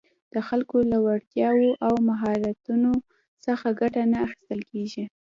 د خلکو له وړتیاوو او مهارتونو څخه ګټه نه اخیستل کېږي